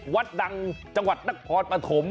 วัดดังจังหวัดนครปฐม